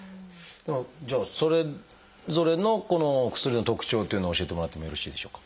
じゃあそれぞれのこのお薬の特徴っていうのを教えてもらってもよろしいでしょうか？